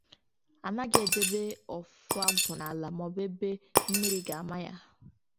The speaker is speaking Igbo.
a naghị edebe ọfọ agwụ n'ala maọbụ n'ebe mmiri ga na-ama ya